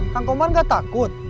kang komar gak takut